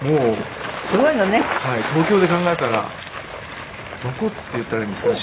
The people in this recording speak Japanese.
東京で考えたらどこって言ったらいいんですかね。